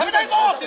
って。